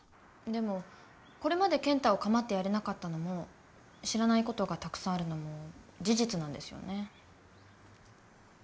でもこれまで健太を構ってやれなかったのも知らないことがたくさんあるのも事実なんですよね。